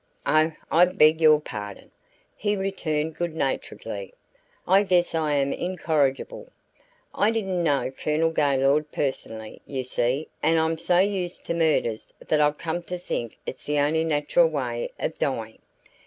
"Oh, I beg your pardon," he returned good naturedly, "I guess I am incorrigible. I didn't know Colonel Gaylord personally, you see, and I'm so used to murders that I've come to think it's the only natural way of dying.